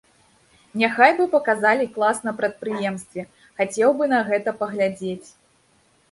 Няхай бы паказалі клас на прадпрыемстве, хацеў бы на гэта паглядзець.